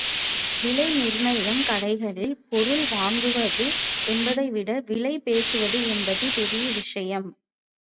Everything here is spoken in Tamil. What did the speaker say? விலை நிர்ணயம் கடைகளில் பொருள் வாங்குவது என்பதைவிட விலை பேசுவது என்பது பெரிய விஷயம்.